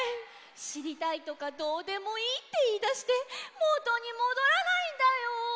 しりたいとかどうでもいいっていいだしてもとにもどらないんだよ！